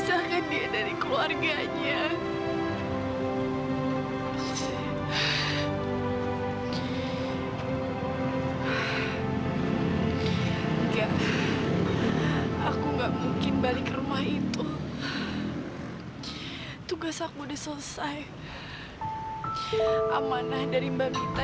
siapa yang tega membuat kamu menderita